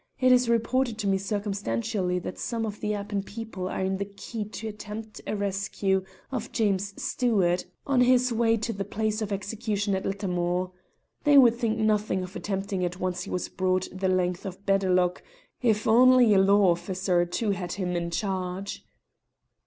It is reported to me pretty circumstantially that some of the Appin people are in the key to attempt a rescue of James Stewart on his way to the place of execution at Lettermore. They would think nothing of attempting it once he was brought the length of Benderloch, if only a law officer or two had him in charge."